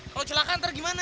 kalau celaka ntar gimana